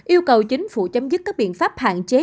yêu cầu chính phủ chấm dứt các biện pháp hạn chế